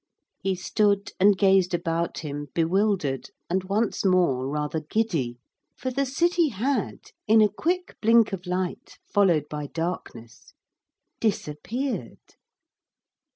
He stood and gazed about him bewildered and, once more, rather giddy. For the city had, in a quick blink of light, followed by darkness, disappeared.